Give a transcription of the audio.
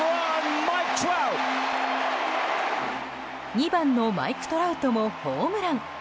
２番のマイク・トラウトもホームラン。